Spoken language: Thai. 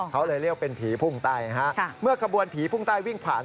เขาเลยเรียกเป็นผีพุ่งใต้นะฮะเมื่อขบวนผีพุ่งใต้วิ่งผ่าน